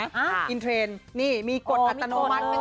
มีกฎอัตโนมัติไม่ต้องกระเทียบ